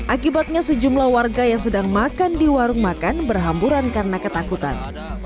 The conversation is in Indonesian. akibatnya sejumlah warga yang sedang makan di warung makan berhamburan karena ketakutan